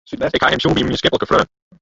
Ik ha him sjoen by in mienskiplike freon.